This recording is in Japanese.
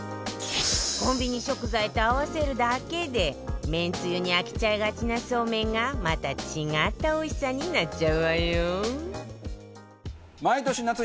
コンビニ食材と合わせるだけでめんつゆに飽きちゃいがちなそうめんがまた違ったおいしさになっちゃうわよ